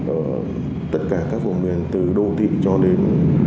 ở tất cả các vùng miền từ đô thị cho đến